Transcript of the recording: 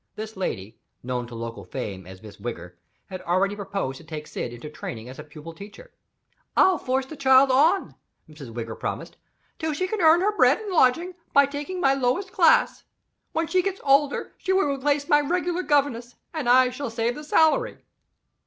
This lady known to local fame as Miss Wigger had already proposed to take Syd into training as a pupil teacher. "I'll force the child on," Miss Wigger promised, "till she can earn her board and lodging by taking my lowest class. When she gets older she will replace my regular governess, and I shall save the salary."